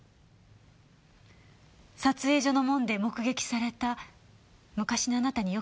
撮影所の門で目撃された昔のあなたによく似た女の子。